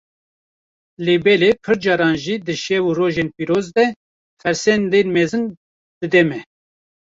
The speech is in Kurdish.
lêbelê pir caran jî di şev û rojên pîroz de fersendên mezin dide me.